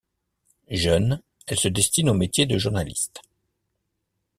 Jeune elle se destine au métier de journaliste.